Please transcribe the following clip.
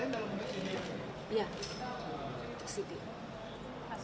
tadi buktinya disisilkan dalam bukti ini ya